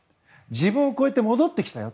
自分を超えて戻ってきたよ